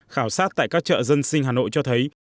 khảo sát tại các chợ dân sinh hà nội cho thấy